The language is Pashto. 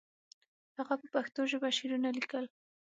هغه په پښتو ژبه شعرونه لیکل.